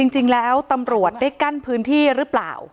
จริงแล้วตำรวจได้กั้นพื้นที่หรือเปล่า